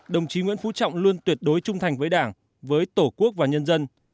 đồng chí nguyễn phú trọng luôn tuyệt đối trung thành với đảng với tổ quốc và nhân dân